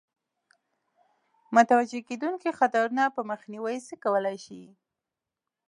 متوجه کېدونکو خطرونو په مخنیوي څه کولای شي.